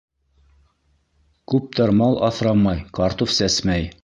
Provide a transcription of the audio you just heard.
Күптәр мал аҫрамай, картуф сәсмәй.